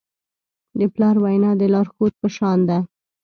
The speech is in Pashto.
د پلار وینا د لارښود په شان ده.